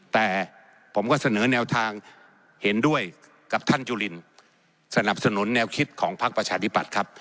แต่ผมก็เสนอแนวทางเห็นด้วยกับท่านจุลินสนับสนุนแนวคิดของพักประชาธิปัตย์ครับ